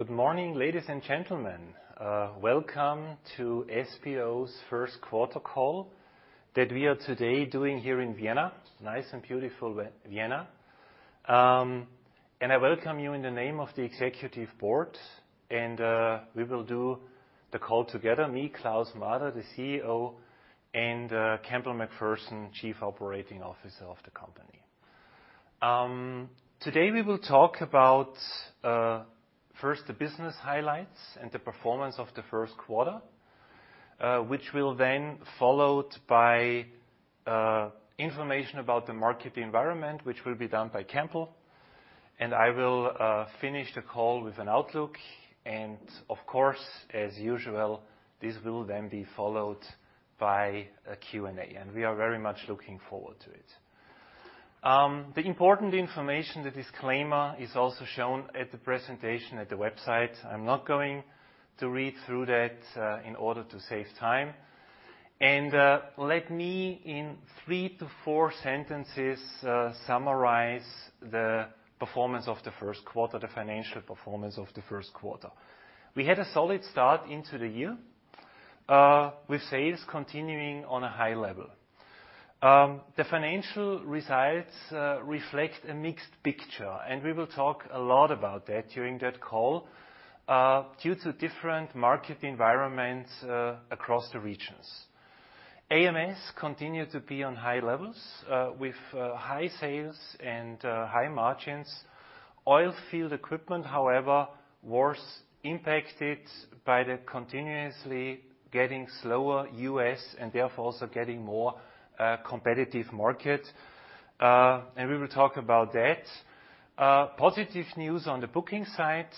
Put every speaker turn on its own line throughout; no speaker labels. Good morning, ladies and gentlemen. Welcome to SBO's first quarter call, that we are today doing here in Vienna. Nice and beautiful Vienna. I welcome you in the name of the executive board, and we will do the call together, me, Klaus Mader, the CEO, and Campbell MacPherson, Chief Operating Officer of the company. Today, we will talk about first, the business highlights and the performance of the first quarter, which will then followed by information about the market environment, which will be done by Campbell. I will finish the call with an outlook, and of course, as usual, this will then be followed by a Q&A, and we are very much looking forward to it. The important information, the disclaimer, is also shown at the presentation at the website. I'm not going to read through that, in order to save time. Let me, in 3-4 sentences, summarize the performance of the first quarter, the financial performance of the first quarter. We had a solid start into the year, with sales continuing on a high level. The financial results reflect a mixed picture, and we will talk a lot about that during that call, due to different market environments across the regions. AMS continued to be on high levels, with high sales and high margins. Oilfield equipment, however, was impacted by the continuously getting slower U.S., and therefore, also getting more competitive market. We will talk about that. Positive news on the booking side,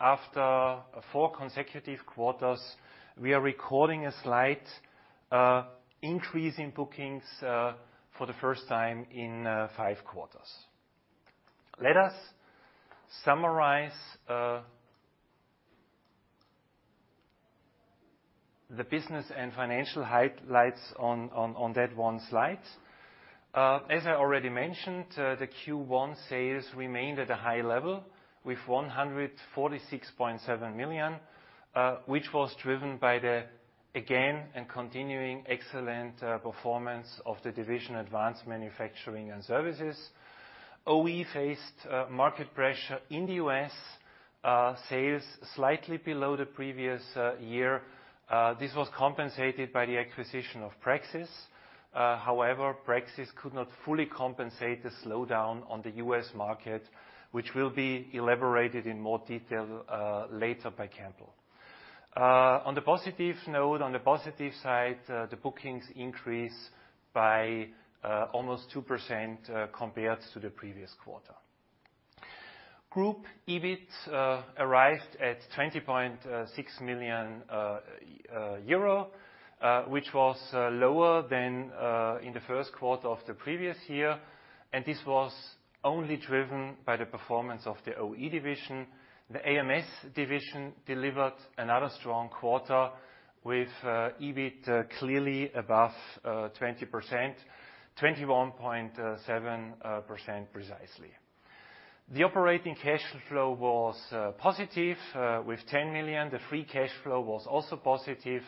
after four consecutive quarters, we are recording a slight increase in bookings, for the first time in five quarters. Let us summarize the business and financial highlights on that one slide. As I already mentioned, the Q1 sales remained at a high level, with 146.7 million, which was driven by the, again, and continuing excellent performance of the division Advanced Manufacturing and Services. OE faced market pressure in the U.S., sales slightly below the previous year. This was compensated by the acquisition of Praxis. However, Praxis could not fully compensate the slowdown on the U.S. market, which will be elaborated in more detail later by Campbell. On the positive note, on the positive side, the bookings increased by almost 2% compared to the previous quarter. Group EBIT arrived at 20.6 million euro, which was lower than in the first quarter of the previous year, and this was only driven by the performance of the OE division. The AMS division delivered another strong quarter with EBIT clearly above 20%, 21.7%, precisely. The operating cash flow was positive with 10 million. The free cash flow was also positive.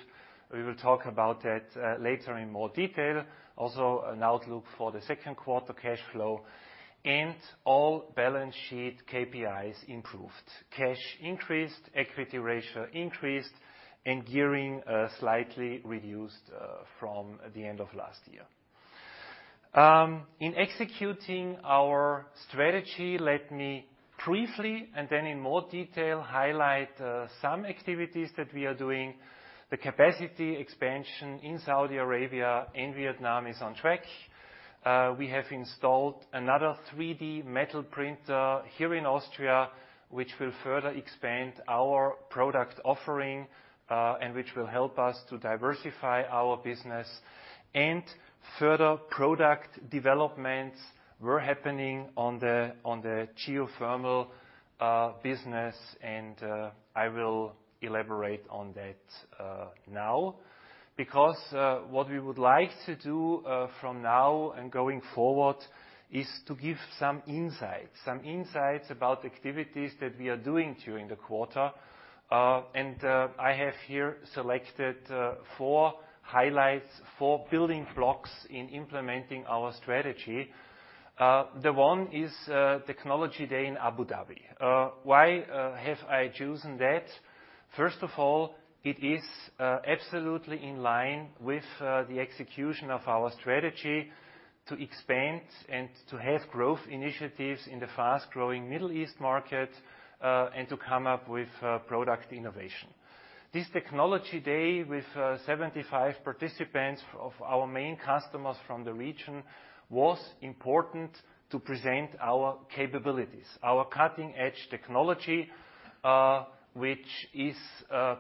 We will talk about that later in more detail. Also, an outlook for the second quarter cash flow and all balance sheet KPIs improved. Cash increased, equity ratio increased, and gearing slightly reduced from the end of last year. In executing our strategy, let me briefly, and then in more detail, highlight some activities that we are doing. The capacity expansion in Saudi Arabia and Vietnam is on track. We have installed another 3D metal printer here in Austria, which will further expand our product offering, and which will help us to diversify our business. Further product developments were happening on the geothermal business, and I will elaborate on that now. Because what we would like to do from now and going forward is to give some insights about activities that we are doing during the quarter. And I have here selected four highlights, four building blocks in implementing our strategy. The one is Technology Day in Abu Dhabi. Why have I chosen that? First of all, it is absolutely in line with the execution of our strategy to expand and to have growth initiatives in the fast-growing Middle East market, and to come up with product innovation. This Technology Day, with 75 participants of our main customers from the region, was important to present our capabilities, our cutting-edge technology, which is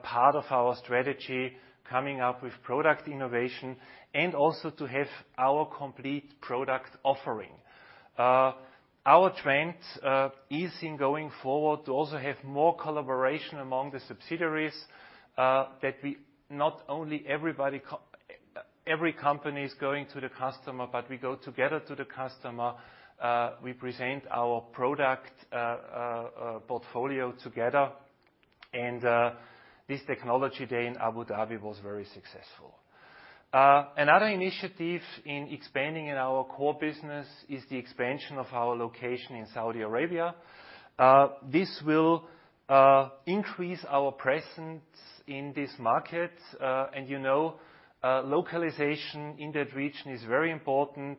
part of our strategy, coming up with product innovation, and also to have our complete product offering. Our trend is in going forward to also have more collaboration among the subsidiaries, that not only every company is going to the customer, but we go together to the customer, we present our product portfolio together, and this Technology Day in Abu Dhabi was very successful. Another initiative in expanding in our core business is the expansion of our location in Saudi Arabia. This will increase our presence in this market, and you know, localization in that region is very important.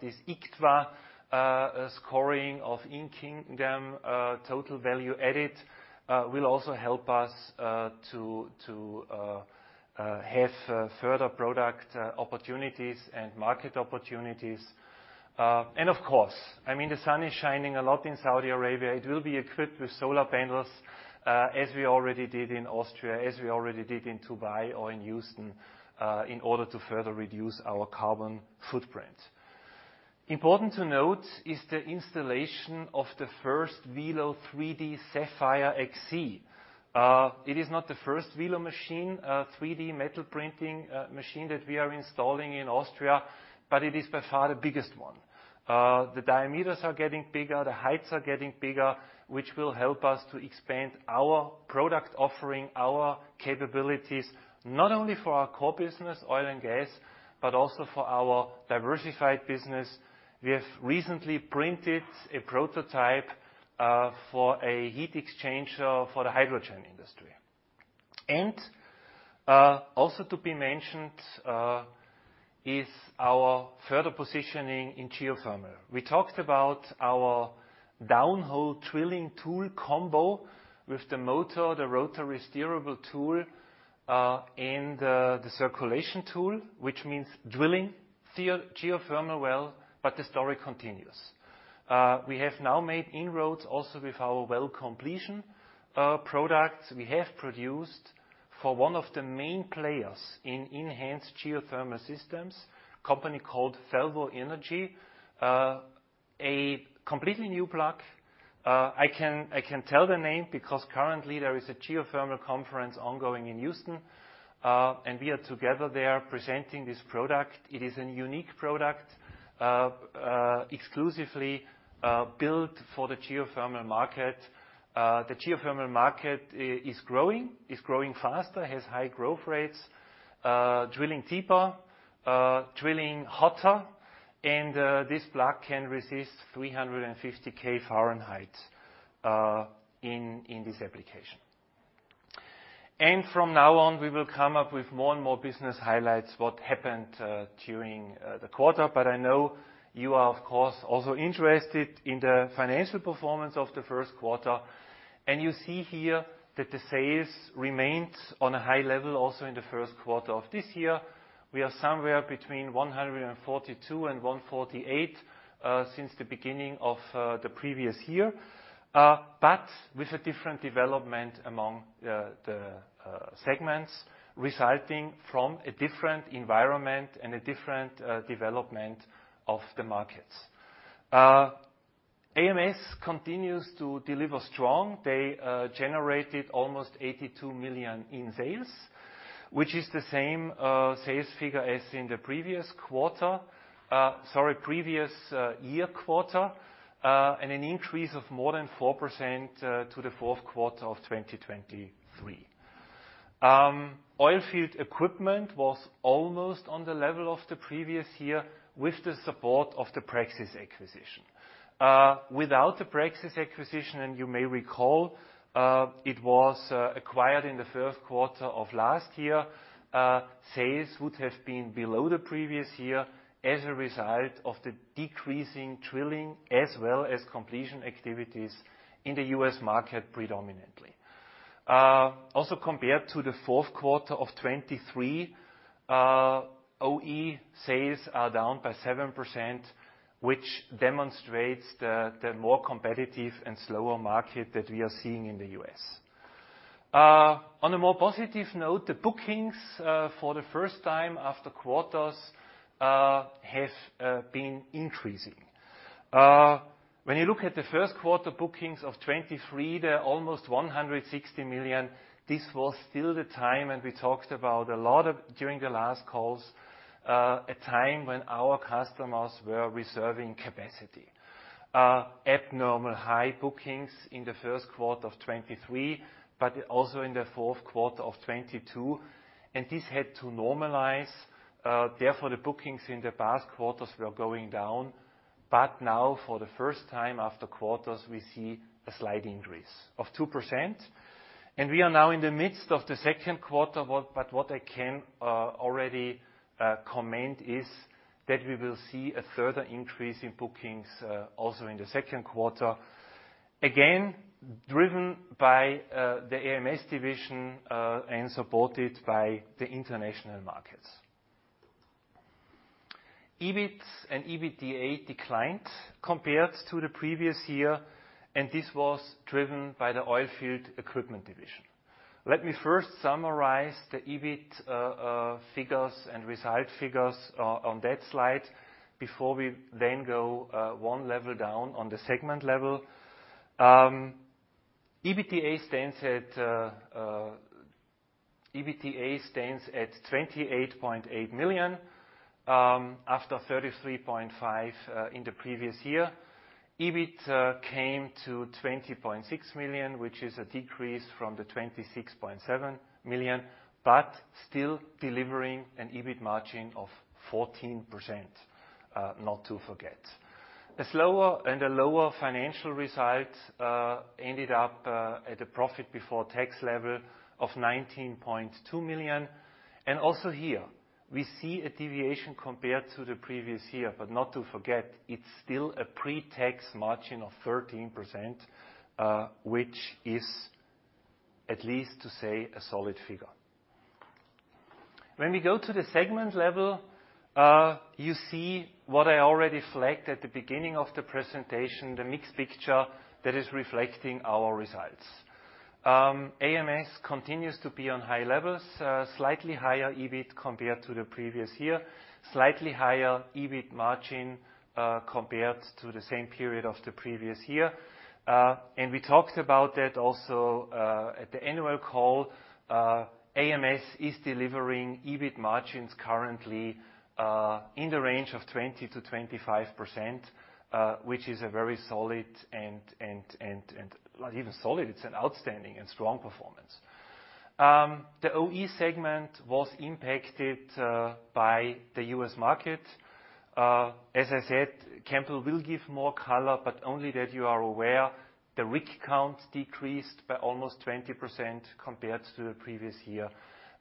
This IKTVA scoring in the kingdom total value added will also help us to have further product opportunities and market opportunities. And of course, I mean, the sun is shining a lot in Saudi Arabia. It will be equipped with solar panels, as we already did in Austria, as we already did in Dubai or in Houston, in order to further reduce our carbon footprint. Important to note is the installation of the first Velo3D Sapphire XC. It is not the first Velo machine, 3D metal printing, machine that we are installing in Austria, but it is by far the biggest one. The diameters are getting bigger, the heights are getting bigger, which will help us to expand our product offering, our capabilities, not only for our core business, oil and gas, but also for our diversified business. We have recently printed a prototype for a heat exchange for the hydrogen industry. Also to be mentioned is our further positioning in geothermal. We talked about our downhole drilling tool combo with the motor, the rotary steerable tool, and the circulation tool, which means drilling geothermal well, but the story continues. We have now made inroads also with our well completion products. We have produced for one of the main players in enhanced geothermal systems, a company called Fervo Energy. A completely new plug. I can tell the name because currently there is a geothermal conference ongoing in Houston, and we are together there presenting this product. It is a unique product, exclusively built for the geothermal market. The geothermal market is growing faster, has high growth rates, drilling deeper, drilling hotter, and this plug can resist 350 degrees Fahrenheit in this application. From now on, we will come up with more and more business highlights, what happened during the quarter, but I know you are, of course, also interested in the financial performance of the first quarter. And you see here that the sales remained on a high level also in the first quarter of this year. We are somewhere between 142 million and 148 million since the beginning of the previous year, but with a different development among the segments, resulting from a different environment and a different development of the markets. AMS continues to deliver strong. They generated almost 82 million in sales, which is the same sales figure as in the previous quarter, sorry, previous year quarter, and an increase of more than 4% to the fourth quarter of 2023. Oilfield Equipment was almost on the level of the previous year with the support of the Praxis acquisition. Without the Praxis acquisition, and you may recall, it was acquired in the first quarter of last year, sales would have been below the previous year as a result of the decreasing drilling, as well as completion activities in the U.S. market, predominantly. Also, compared to the fourth quarter of 2023, OE sales are down by 7%, which demonstrates the more competitive and slower market that we are seeing in the U.S. On a more positive note, the bookings for the first time after quarters have been increasing. When you look at the first quarter bookings of 2023, they're almost 160 million. This was still the time, and we talked about a lot of during the last calls, a time when our customers were reserving capacity. Abnormal high bookings in the first quarter of 2023, but also in the fourth quarter of 2022, and this had to normalize. Therefore, the bookings in the past quarters were going down, but now, for the first time after quarters, we see a slight increase of 2%. And we are now in the midst of the second quarter, but what I can already comment is that we will see a further increase in bookings also in the second quarter. Again, driven by the AMS division and supported by the international markets. EBIT and EBITDA declined compared to the previous year, and this was driven by the oilfield equipment division. Let me first summarize the EBIT figures and result figures on that slide before we then go one level down on the segment level. EBITDA stands at 28.8 million, after 33.5 million in the previous year. EBIT came to 20.6 million, which is a decrease from the 26.7 million, but still delivering an EBIT margin of 14%, not to forget. A slower and a lower financial result ended up at a profit before tax level of 19.2 million. And also here, we see a deviation compared to the previous year, but not to forget, it's still a pre-tax margin of 13%, which is at least, to say, a solid figure. When we go to the segment level, you see what I already flagged at the beginning of the presentation, the mixed picture that is reflecting our results. AMS continues to be on high levels, slightly higher EBIT compared to the previous year, slightly higher EBIT margin, compared to the same period of the previous year. And we talked about that also, at the annual call. AMS is delivering EBIT margins currently, in the range of 20%-25%, which is a very solid and, not even solid, it's an outstanding and strong performance. The OE segment was impacted by the U.S. market. As I said, Campbell will give more color, but only that you are aware, the rig count decreased by almost 20% compared to the previous year.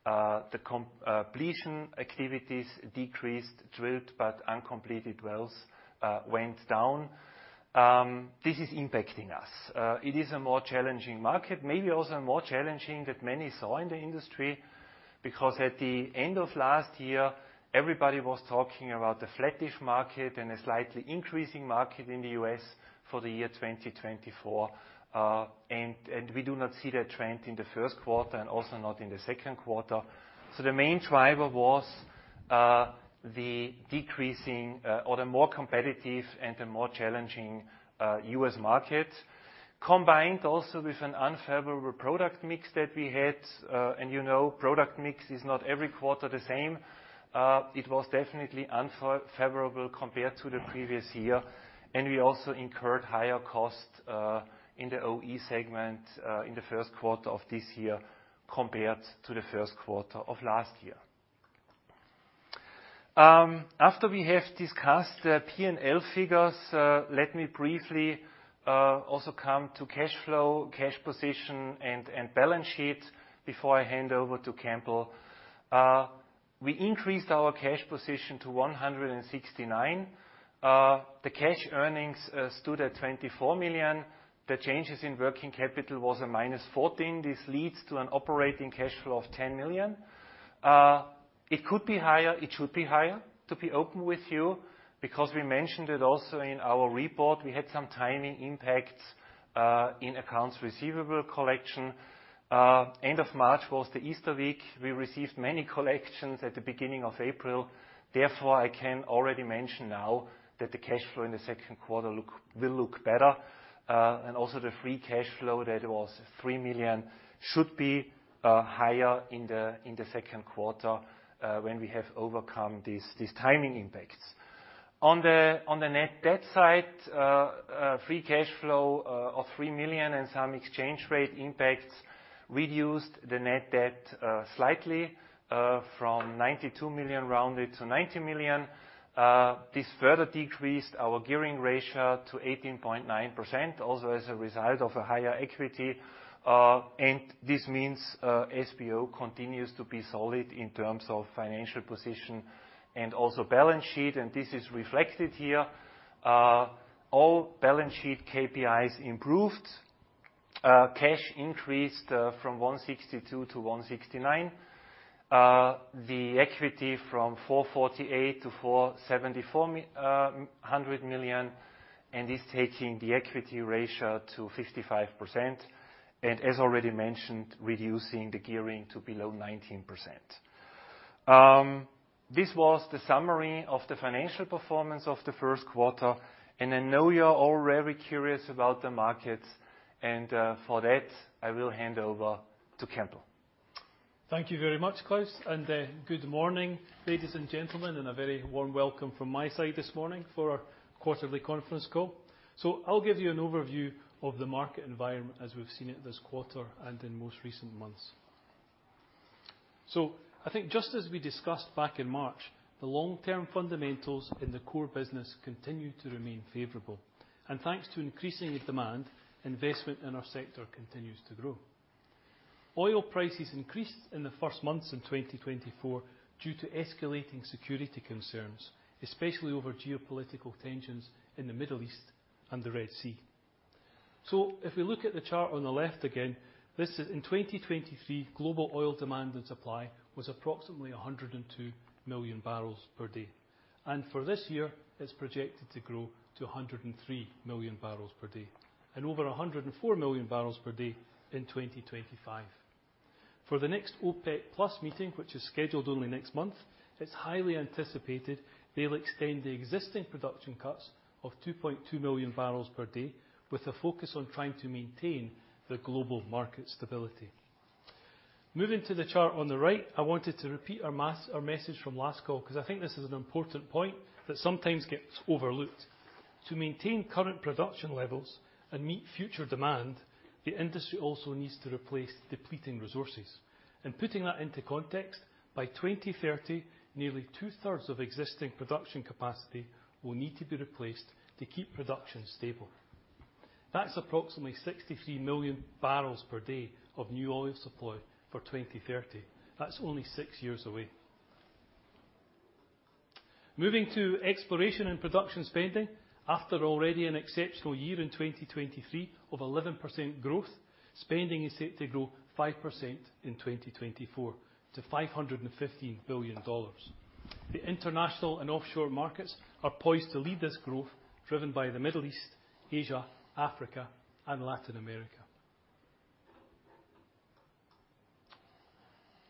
The completion activities decreased, drilled but uncompleted wells went down. This is impacting us. It is a more challenging market, maybe also more challenging than many saw in the industry, because at the end of last year, everybody was talking about the flattish market and a slightly increasing market in the U.S. for the year 2024. And we do not see that trend in the first quarter and also not in the second quarter. So the main driver was the decreasing or the more competitive and the more challenging U.S. market, combined also with an unfavorable product mix that we had. And you know, product mix is not every quarter the same. It was definitely unfavorable compared to the previous year, and we also incurred higher costs in the OE segment in the first quarter of this year compared to the first quarter of last year. After we have discussed the P&L figures, let me briefly also come to cash flow, cash position, and balance sheet before I hand over to Campbell. We increased our cash position to 169 million. The cash earnings stood at 24 million. The changes in working capital was a -14 million. This leads to an operating cash flow of 10 million. It could be higher, it should be higher, to be open with you, because we mentioned it also in our report, we had some timing impacts in accounts receivable collection. End of March was the Easter week. We received many collections at the beginning of April. Therefore, I can already mention now that the cash flow in the second quarter will look better. And also the free cash flow, that was 3 million, should be higher in the second quarter, when we have overcome these timing impacts. On the net debt side, free cash flow of 3 million and some exchange rate impacts reduced the net debt slightly from 92 million rounded to 90 million. This further decreased our gearing ratio to 18.9%, also as a result of a higher equity. And this means SBO continues to be solid in terms of financial position and also balance sheet, and this is reflected here. All balance sheet KPIs improved. Cash increased from 162 million-169 million. The equity from 448 million to 474 million, and is taking the equity ratio to 55%, and as already mentioned, reducing the gearing to below 19%. This was the summary of the financial performance of the first quarter, and I know you are all very curious about the markets, and, for that, I will hand over to Campbell.
Thank you very much, Klaus, and good morning, ladies and gentlemen, and a very warm welcome from my side this morning for our quarterly conference call. So I'll give you an overview of the market environment as we've seen it this quarter and in most recent months. So I think just as we discussed back in March, the long-term fundamentals in the core business continue to remain favorable. And thanks to increasing demand, investment in our sector continues to grow. Oil prices increased in the first months in 2024 due to escalating security concerns, especially over geopolitical tensions in the Middle East and the Red Sea. So if we look at the chart on the left again, this is in 2023, global oil demand and supply was approximately 102 million barrels per day. For this year, it's projected to grow to 103 million barrels per day, and over 104 million barrels per day in 2025. For the next OPEC+ meeting, which is scheduled only next month, it's highly anticipated they'll extend the existing production cuts of 2.2 million barrels per day, with a focus on trying to maintain the global market stability. Moving to the chart on the right, I wanted to repeat our message from last call, because I think this is an important point that sometimes gets overlooked. To maintain current production levels and meet future demand, the industry also needs to replace depleting resources. Putting that into context, by 2030, nearly two-thirds of existing production capacity will need to be replaced to keep production stable. That's approximately 63 million barrels per day of new oil supply for 2030. That's only six years away. Moving to exploration and production spending, after already an exceptional year in 2023 of 11% growth, spending is set to grow 5% in 2024 to $515 billion. The international and offshore markets are poised to lead this growth, driven by the Middle East, Asia, Africa, and Latin America.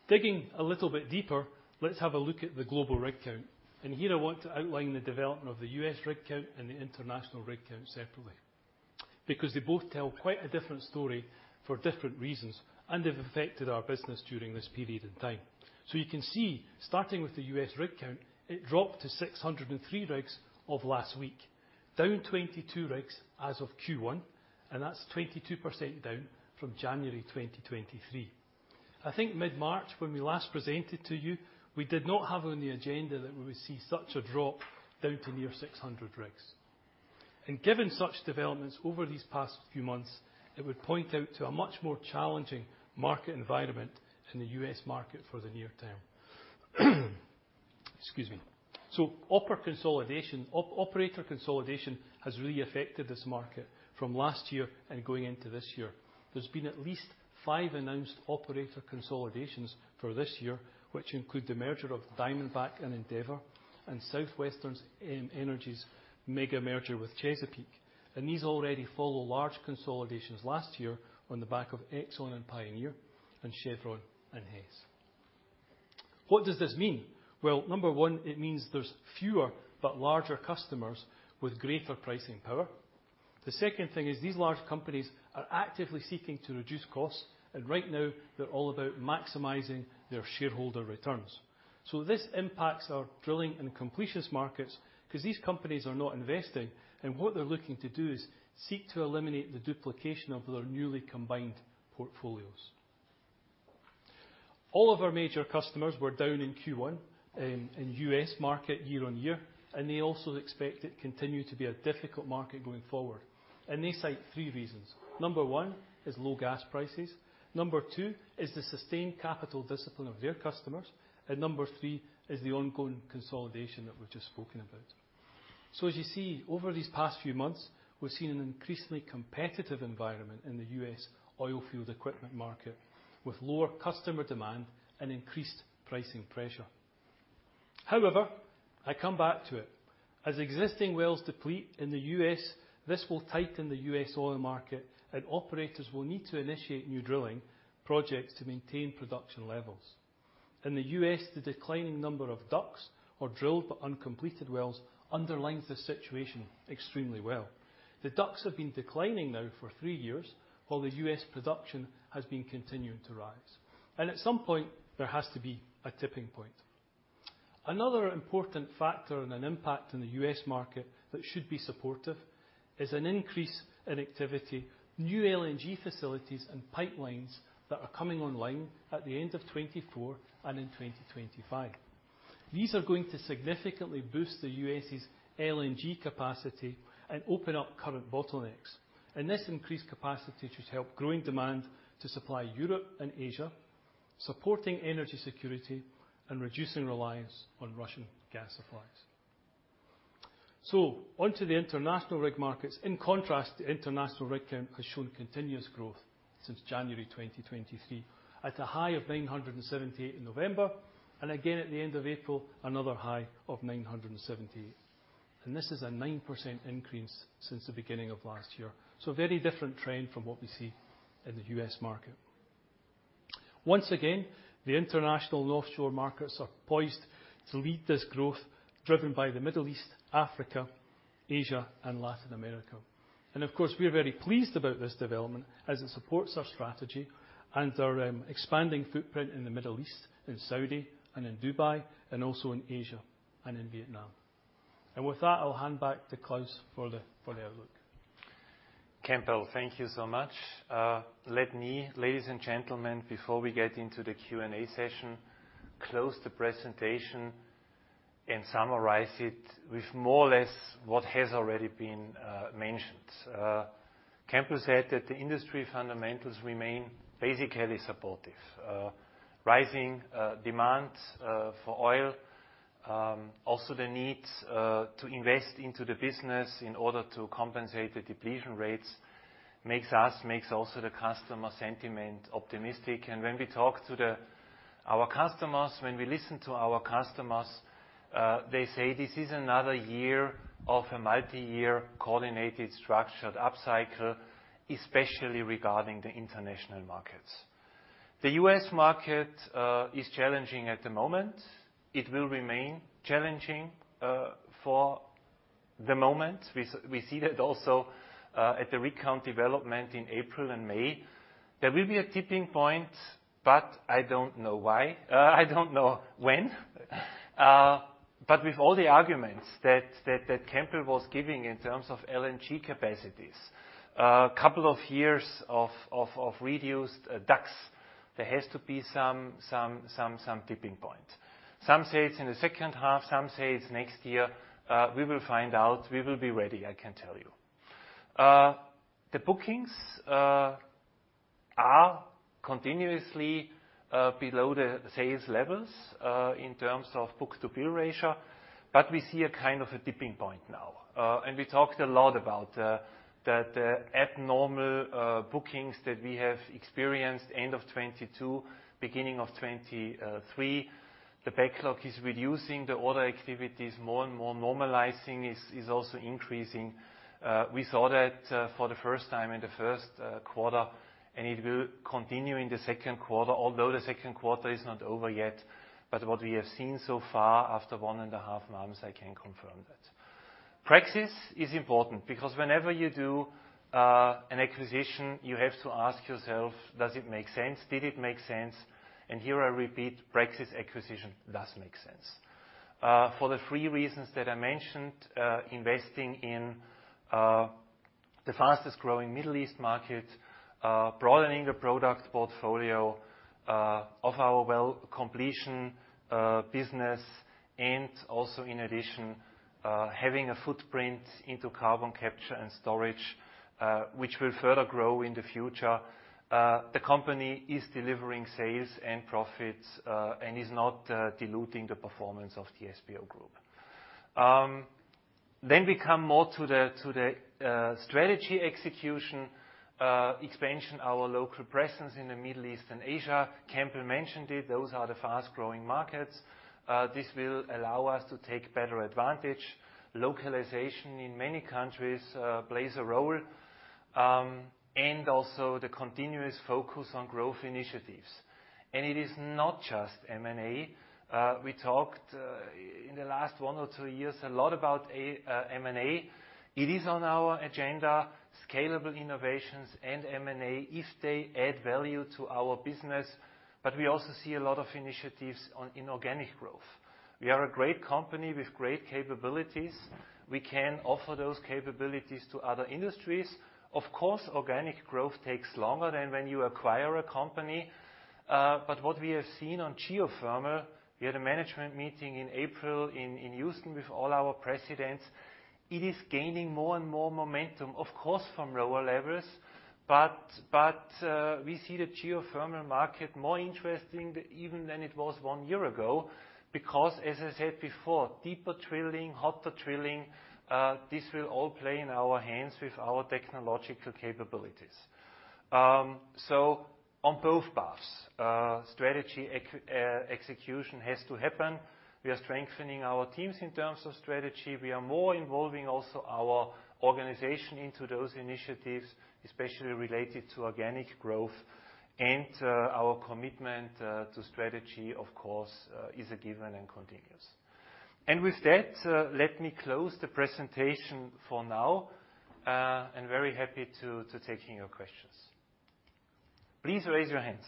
Digging a little bit deeper, let's have a look at the global rig count. Here I want to outline the development of the U.S. rig count and the international rig count separately, because they both tell quite a different story for different reasons, and they've affected our business during this period in time. So you can see, starting with the U.S. rig count, it dropped to 603 rigs as of last week, down 22 rigs as of Q1, and that's 22% down from January 2023. I think mid-March, when we last presented to you, we did not have on the agenda that we would see such a drop down to near 600 rigs. Given such developments over these past few months, it would point out to a much more challenging market environment in the U.S. market for the near term. Excuse me. So operator consolidation has really affected this market from last year and going into this year. There's been at least five announced operator consolidations for this year, which include the merger of Diamondback and Endeavor, and Southwestern Energy's mega merger with Chesapeake. These already follow large consolidations last year on the back of Exxon and Pioneer and Chevron and Hess. What does this mean? Well, number one, it means there's fewer but larger customers with greater pricing power. The second thing is these large companies are actively seeking to reduce costs, and right now, they're all about maximizing their shareholder returns. So this impacts our drilling and completions markets because these companies are not investing, and what they're looking to do is seek to eliminate the duplication of their newly combined portfolios. All of our major customers were down in Q1 in U.S. market year-on-year, and they also expect it continue to be a difficult market going forward. And they cite three reasons. Number one is low gas prices. Number two is the sustained capital discipline of their customers. And number three is the ongoing consolidation that we've just spoken about. So as you see, over these past few months, we've seen an increasingly competitive environment in the U.S. oilfield equipment market, with lower customer demand and increased pricing pressure. However, I come back to it. As existing wells deplete in the U.S., this will tighten the U.S. oil market, and operators will need to initiate new drilling projects to maintain production levels. In the U.S., the declining number of DUCs, or drilled but uncompleted wells, underlines this situation extremely well. The DUCs have been declining now for three years, while the U.S. production has been continuing to rise. And at some point, there has to be a tipping point. Another important factor and an impact in the U.S. market that should be supportive is an increase in activity, new LNG facilities and pipelines that are coming online at the end of 2024 and in 2025. These are going to significantly boost the U.S.'s LNG capacity and open up current bottlenecks. This increased capacity should help growing demand to supply Europe and Asia, supporting energy security and reducing reliance on Russian gas supplies. Onto the international rig markets. In contrast, the international rig count has shown continuous growth since January 2023, at a high of 978 in November, and again, at the end of April, another high of 978. This is a 9% increase since the beginning of last year. A very different trend from what we see in the U.S. market. Once again, the international and offshore markets are poised to lead this growth, driven by the Middle East, Africa, Asia, and Latin America. And of course, we are very pleased about this development as it supports our strategy and our expanding footprint in the Middle East, in Saudi and in Dubai, and also in Asia and in Vietnam. And with that, I'll hand back to Klaus for the outlook.
Campbell, thank you so much. Let me, ladies and gentlemen, before we get into the Q&A session, close the presentation and summarize it with more or less what has already been mentioned. Campbell said that the industry fundamentals remain basically supportive. Rising demand for oil, also the needs to invest into the business in order to compensate the depletion rates, makes also the customer sentiment optimistic. When we talk to our customers, when we listen to our customers, they say this is another year of a multi-year coordinated, structured upcycle, especially regarding the international markets. The U.S. market is challenging at the moment. It will remain challenging for the moment. We see that also at the rig count development in April and May. There will be a tipping point, but I don't know when. But with all the arguments that Campbell was giving in terms of LNG capacities, a couple of years of reduced DUCs, there has to be some tipping point. Some say it's in the second half, some say it's next year. We will find out. We will be ready, I can tell you. The bookings are continuously below the sales levels in terms of book-to-bill ratio, but we see a kind of a tipping point now. And we talked a lot about that abnormal bookings that we have experienced end of 2022, beginning of 2023. The backlog is reducing the order activities. More and more normalizing is also increasing. We saw that for the first time in the first quarter, and it will continue in the second quarter, although the second quarter is not over yet. But what we have seen so far, after one and a half months, I can confirm that. Praxis is important because whenever you do an acquisition, you have to ask yourself, "Does it make sense? Did it make sense?" And here I repeat, Praxis acquisition does make sense. For the three reasons that I mentioned, investing in the fastest growing Middle East market, broadening the product portfolio of our well completion business, and also in addition, having a footprint into carbon capture and storage, which will further grow in the future. The company is delivering sales and profits, and is not diluting the performance of the SBO Group. Then we come more to the strategy execution, expansion, our local presence in the Middle East and Asia. Campbell mentioned it. Those are the fast-growing markets. This will allow us to take better advantage. Localization in many countries plays a role, and also the continuous focus on growth initiatives. It is not just M&A. We talked in the last one or two years a lot about M&A. It is on our agenda, scalable innovations and M&A, if they add value to our business, but we also see a lot of initiatives on inorganic growth. We are a great company with great capabilities. We can offer those capabilities to other industries. Of course, organic growth takes longer than when you acquire a company, but what we have seen on geothermal, we had a management meeting in April in Houston with all our presidents. It is gaining more and more momentum, of course, from lower levels, but we see the geothermal market more interesting even than it was one year ago. Because, as I said before, deeper drilling, hotter drilling, this will all play in our hands with our technological capabilities. So on both paths, strategy execution has to happen. We are strengthening our teams in terms of strategy. We are more involving also our organization into those initiatives, especially related to organic growth. And our commitment to strategy, of course, is a given and continues. With that, let me close the presentation for now, and very happy to taking your questions. Please raise your hands.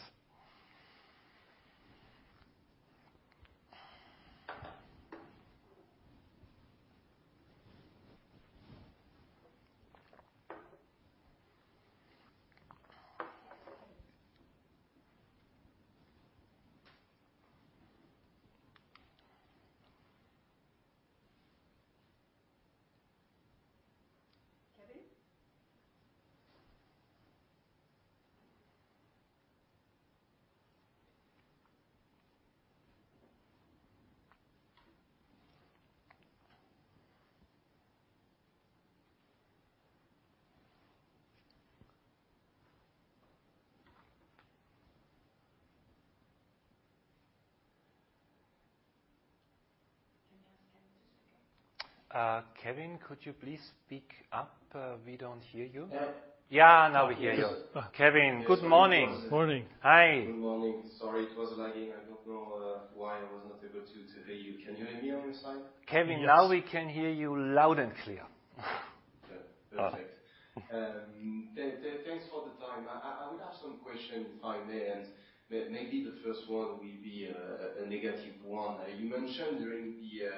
Kevin? Kevin, could you please speak up? We don't hear you.
Yeah.
Yeah, now we hear you. Kevin, good morning. Morning. Hi.
Good morning. Sorry, it was lagging. I don't know why I was not able to hear you. Can you hear me on this side?
Yes. Now we can hear you loud and clear.
Yeah, perfect. Thanks for the time. I would have some questions, if I may. Maybe the first one will be a negative one. You mentioned during the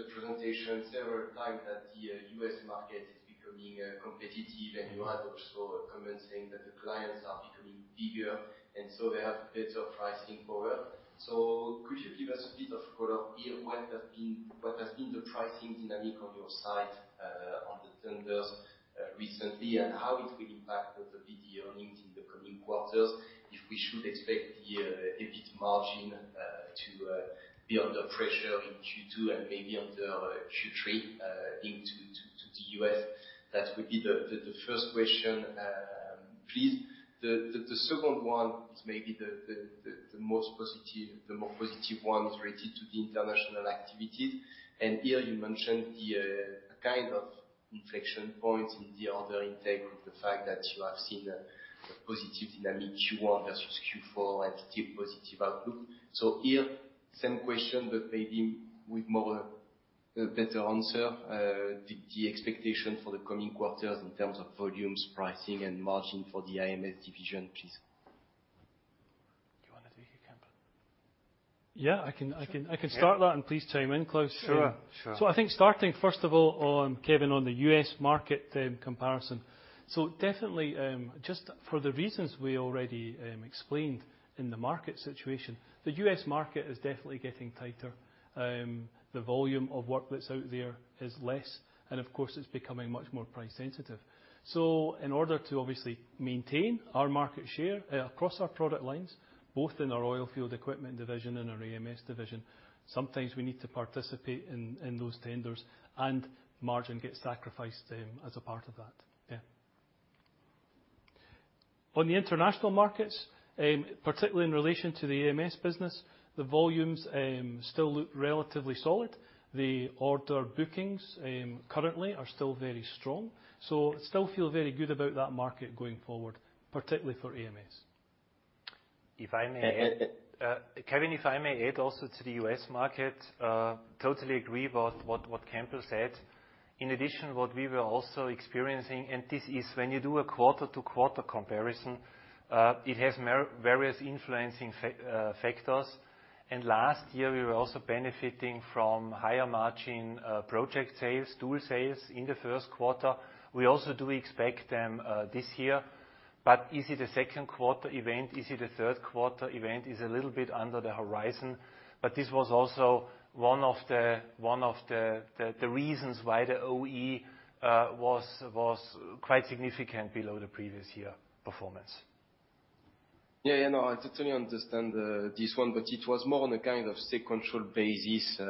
presentation several times that the U.S. market is becoming competitive, and you had also a comment saying that the clients are becoming bigger, and so they have better pricing power. So could you give us a bit of color here, what has been the pricing dynamic on your side on the tenders recently, and how it will impact the EBITDA earnings in the coming quarters? If we should expect the EBIT margin to be under pressure in Q2 and maybe until Q3 into... the U.S. That would be the first question, please. The second one is maybe the most positive, more positive one is related to the international activities. And here you mentioned the kind of inflection point in the order intake, of the fact that you have seen a positive dynamic Q1 versus Q4 and still positive outlook. So here, same question, but maybe with more, better answer. The expectation for the coming quarters in terms of volumes, pricing, and margin for the AMS division, please.
Do you wanna do it, Campbell?
Yeah, I can start that, and please chime in, Klaus.
Sure, sure.
So I think starting first of all, on Kevin, on the U.S. market, comparison. So definitely, just for the reasons we already explained in the market situation, the U.S. market is definitely getting tighter. The volume of work that's out there is less, and of course, it's becoming much more price sensitive. So in order to obviously maintain our market share, across our product lines, both in our oilfield equipment division and our AMS division, sometimes we need to participate in those tenders, and margin gets sacrificed, as a part of that. Yeah. On the international markets, particularly in relation to the AMS business, the volumes still look relatively solid. The order bookings, currently are still very strong, so still feel very good about that market going forward, particularly for AMS.
If I may add, Kevin, if I may add also to the U.S. market, totally agree about what, what Campbell said. In addition, what we were also experiencing, and this is when you do a quarter-to-quarter comparison, it has various influencing factors. And last year, we were also benefiting from higher margin, project sales, tool sales, in the first quarter. We also do expect them this year, but is it a second quarter event? Is it a third quarter event? It's a little bit under the horizon, but this was also one of the, one of the, the, the reasons why the OE was quite significant below the previous year performance.
Yeah, yeah, no, I totally understand this one, but it was more on a kind of state control basis,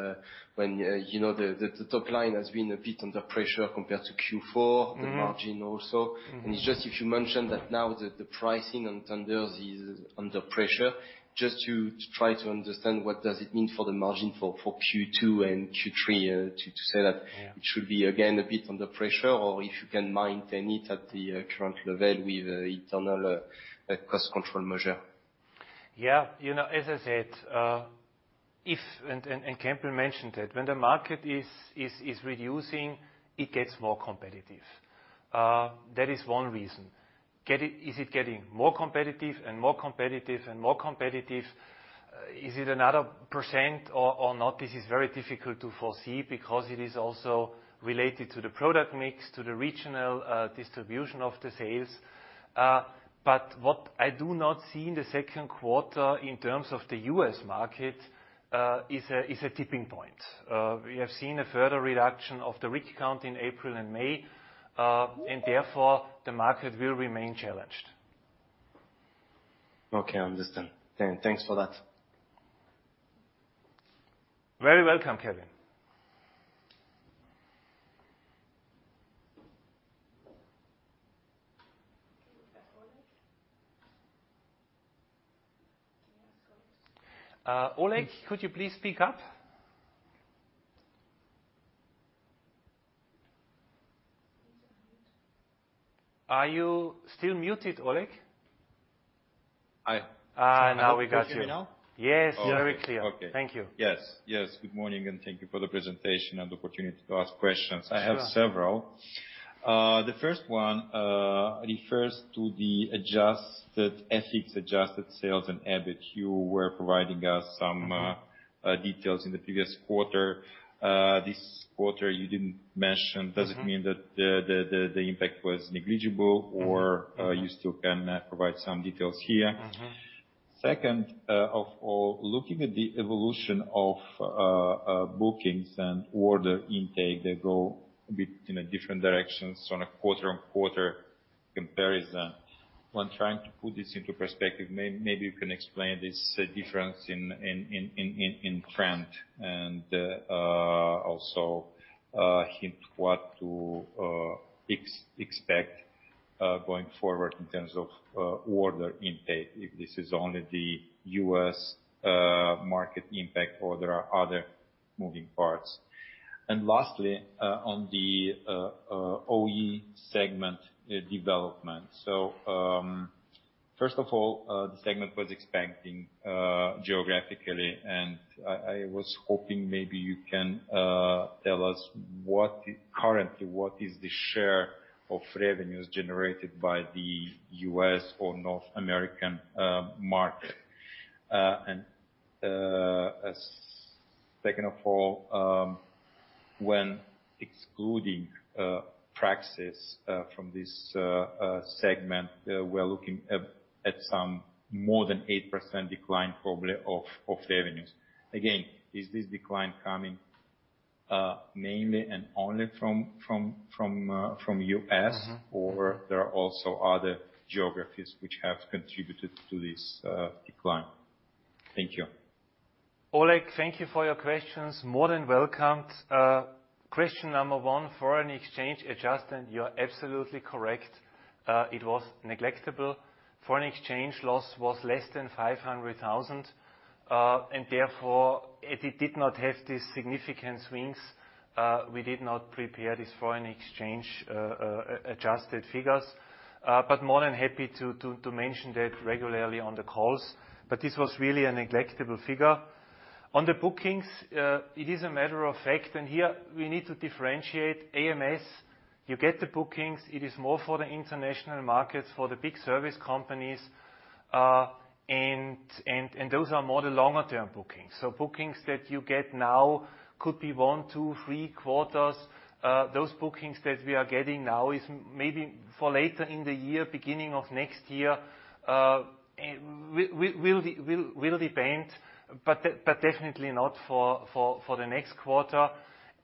when you know, the top line has been a bit under pressure compared to Q4.
Mm-hmm.
The margin also.
Mm-hmm.
It's just if you mentioned that now the pricing on tenders is under pressure, just to try to understand what does it mean for the margin for Q2 and Q3, to say that-
Yeah...
it should be again a bit under pressure, or if you can maintain it at the current level with internal cost control measure.
Yeah. You know, as I said, if and Campbell mentioned it, when the market is reducing, it gets more competitive. That is one reason. Is it getting more competitive and more competitive and more competitive? Is it another percent or not? This is very difficult to foresee because it is also related to the product mix, to the regional distribution of the sales. But what I do not see in the second quarter in terms of the U.S. market is a tipping point. We have seen a further reduction of the rig count in April and May, and therefore, the market will remain challenged.
Okay, I understand. Thanks for that.
Very welcome, Kevin.
Can you ask Oleg?
Oleg, could you please speak up?
Please unmute.
Are you still muted, Oleg?
I-
Ah, now we got you.
Can you hear me now?
Yes, very clear.
Okay.
Thank you.
Yes, yes. Good morning, and thank you for the presentation and the opportunity to ask questions.
Sure.
I have several. The first one refers to the Adjusted EBIT-adjusted sales and EBIT. You were providing us some-
Mm-hmm...
details in the previous quarter. This quarter you didn't mention.
Mm-hmm.
Does it mean that the impact was negligible, or-
Mm-hmm...
you still can provide some details here?
Mm-hmm.
Second of all, looking at the evolution of bookings and order intake, they go a bit in a different directions on a quarter-on-quarter comparison. When trying to put this into perspective, maybe you can explain this difference in trend, and also hint what to expect going forward in terms of order intake, if this is only the U.S. market impact or there are other moving parts. And lastly, on the OE segment development. So first of all, the segment was expanding geographically, and I was hoping maybe you can tell us what currently is the share of revenues generated by the U.S. or North American market? As second of all, when excluding Praxis from this segment, we're looking at some more than 8% decline probably of the revenues. Again, is this decline coming mainly and only from U.S.-
Mm-hmm...
or there are also other geographies which have contributed to this, decline? Thank you.
Oleg, thank you for your questions. More than welcome. Question number one, foreign exchange adjustment, you're absolutely correct. It was negligible. Foreign exchange loss was less than 500,000, and therefore, it did not have the significant swings. We did not prepare these foreign exchange adjusted figures, but more than happy to mention that regularly on the calls, but this was really a negligible figure. On the bookings, it is a matter of fact, and here we need to differentiate AMS. You get the bookings, it is more for the international markets, for the big service companies, and those are more the longer-term bookings. So bookings that you get now could be one, two, three quarters. Those bookings that we are getting now is maybe for later in the year, beginning of next year, and will depend, but definitely not for the next quarter.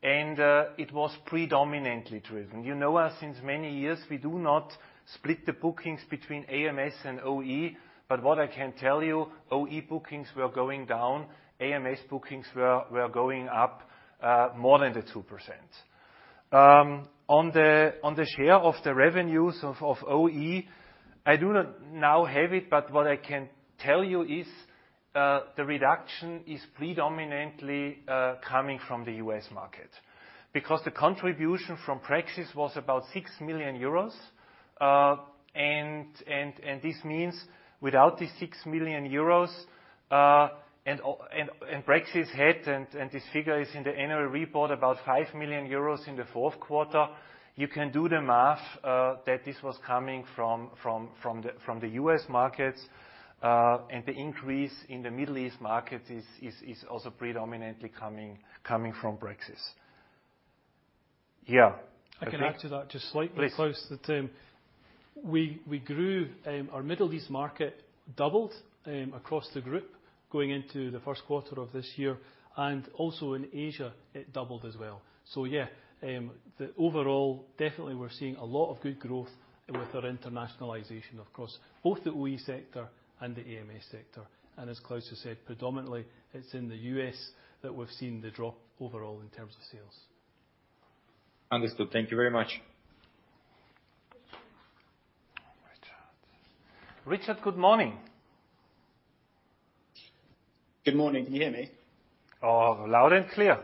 And, it was predominantly driven. You know us, since many years, we do not split the bookings between AMS and OE. But what I can tell you, OE bookings were going down, AMS bookings were going up, more than the 2%. On the share of the revenues of OE, I do not now have it, but what I can tell you is, the reduction is predominantly coming from the U.S. market. Because the contribution from Praxis was about 6 million euros, and this means without the 6 million euros, and Praxis had, and this figure is in the annual report, about 5 million euros in the fourth quarter. You can do the math, that this was coming from the U.S. markets. And the increase in the Middle East market is also predominantly coming from Praxis. Yeah.
I can add to that just slightly-
Please.
Klaus, that we grew, our Middle East market doubled across the group, going into the first quarter of this year, and also in Asia, it doubled as well. So yeah, the overall, definitely we're seeing a lot of good growth with our internationalization, of course, both the OE sector and the AMS sector. And as Klaus just said, predominantly, it's in the U.S. that we've seen the drop overall in terms of sales.
Understood. Thank you very much.
Richard. Richard, good morning!
Good morning. Can you hear me?
Oh, loud and clear.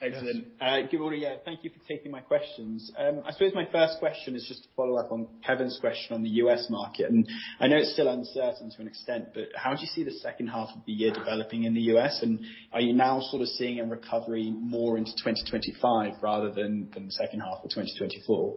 Excellent. Good morning, yeah. Thank you for taking my questions. I suppose my first question is just to follow up on Kevin's question on the U.S. market, and I know it's still uncertain to an extent, but how do you see the second half of the year developing in the U.S.? And are you now sort of seeing a recovery more into 2025 rather than, than the second half of 2024?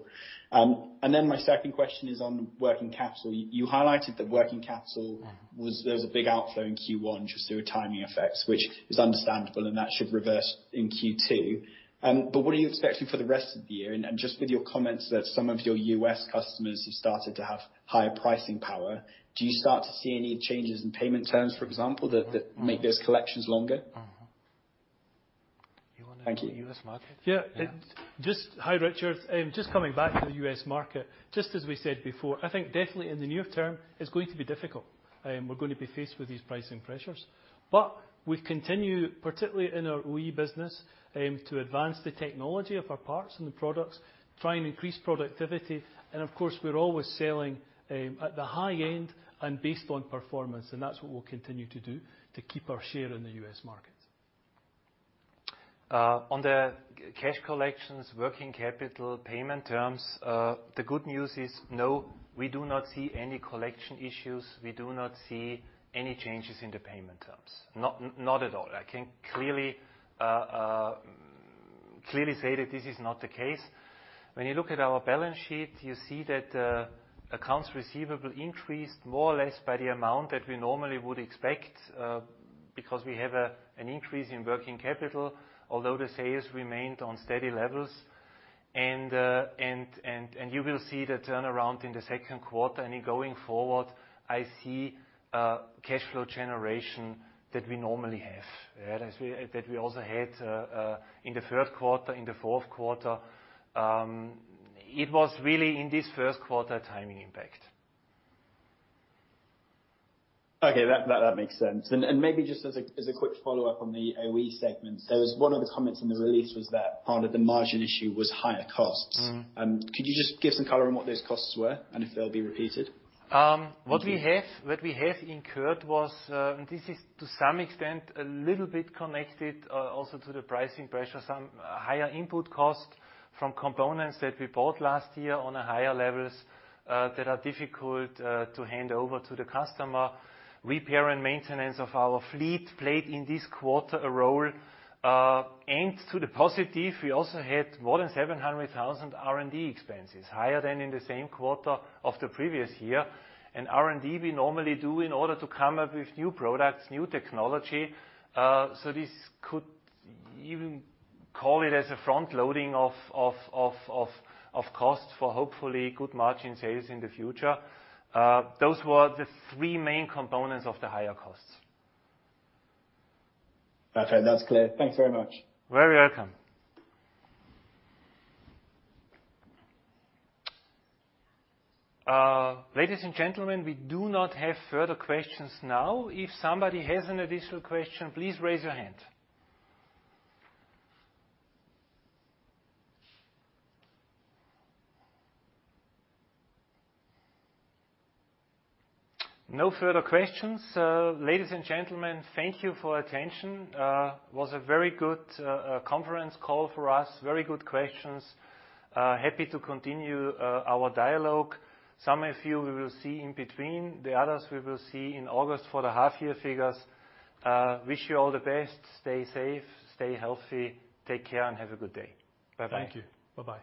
And then my second question is on working capital. You highlighted that working capital was- there was a big outflow in Q1 just through timing effects, which is understandable, and that should reverse in Q2. But what are you expecting for the rest of the year? And just with your comments that some of your U.S. customers have started to have higher pricing power, do you start to see any changes in payment terms, for example, that make those collections longer?
Mm-hmm. You want to-
Thank you.
the U.S. market?
Yeah.
Yeah.
Just... Hi, Richard. Just coming back to the U.S. market, just as we said before, I think definitely in the near term, it's going to be difficult. We're going to be faced with these pricing pressures. But we continue, particularly in our OE business, to advance the technology of our parts and the products, try and increase productivity, and of course, we're always selling at the high end and based on performance, and that's what we'll continue to do to keep our share in the U.S. market.
On the cash collections, working capital, payment terms, the good news is, no, we do not see any collection issues. We do not see any changes in the payment terms, not at all. I can clearly say that this is not the case. When you look at our balance sheet, you see that accounts receivable increased more or less by the amount that we normally would expect, because we have an increase in working capital, although the sales remained on steady levels. And you will see the turnaround in the second quarter, and in going forward, I see a cashflow generation that we normally have, yeah, as that we also had in the third quarter, in the fourth quarter. It was really in this first quarter, timing impact.
Okay, that makes sense. And maybe just as a quick follow-up on the OE segment, so as one of the comments in the release was that part of the margin issue was higher costs.
Mm-hmm.
Could you just give some color on what those costs were and if they'll be repeated?
What we have, what we have incurred was, and this is to some extent, a little bit connected, also to the pricing pressure, some higher input costs from components that we bought last year on a higher levels, that are difficult to hand over to the customer. Repair and maintenance of our fleet played, in this quarter, a role. And to the positive, we also had more than 700,000 R&D expenses, higher than in the same quarter of the previous year. And R&D, we normally do in order to come up with new products, new technology, so this could even call it as a front loading of costs for hopefully good margin sales in the future. Those were the three main components of the higher costs.
Okay, that's clear. Thank you very much.
Very welcome. Ladies and gentlemen, we do not have further questions now. If somebody has an additional question, please raise your hand. No further questions. Ladies and gentlemen, thank you for your attention. It was a very good conference call for us. Very good questions. Happy to continue our dialogue. Some of you, we will see in between. The others, we will see in August for the half-year figures. Wish you all the best. Stay safe, stay healthy, take care, and have a good day. Bye-bye.
Thank you. Bye-bye.